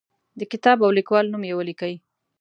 د کتاب او لیکوال نوم یې ولیکئ.